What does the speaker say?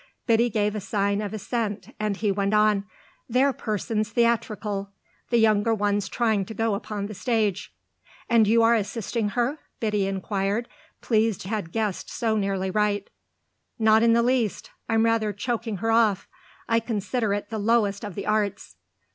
Biddy gave a sign of assent and he went on: "They're persons theatrical. The younger one's trying to go upon the stage." "And are you assisting her?" Biddy inquired, pleased she had guessed so nearly right. "Not in the least I'm rather choking her off. I consider it the lowest of the arts."